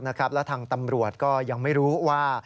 แล้วทางตำรวจก็ยังไม่รู้ว่า